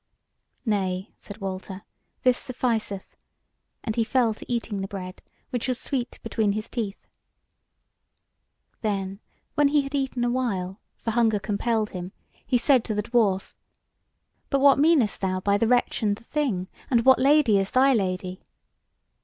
"Nay," said Walter, "this sufficeth;" and he fell to eating the bread, which was sweet between his teeth. Then when he had eaten a while, for hunger compelled him, he said to the dwarf: "But what meanest thou by the Wretch and the Thing? And what Lady is thy Lady?"